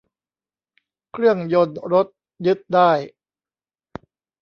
เครื่องยนต์รถยึดได้